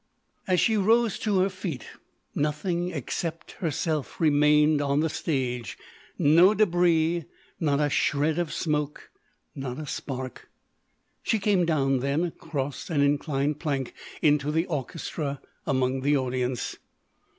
As she rose to her feet nothing except herself remained on the stage—no débris, not a shred of smoke, not a spark. She came down, then, across an inclined plank into the orchestra among the audience.